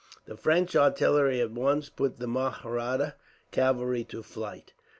The French artillery at once put the Mahratta cavalry to flight.